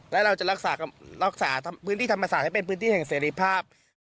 นะเราจะรักษาพื้นที่ทรมาศาสตร์ถ้าเป็นพื้นที่เป็นเศรษฐริปาบ